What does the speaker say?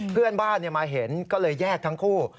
เพื่อนบ้านมาเห็นก็เลยแยกทั้งคู่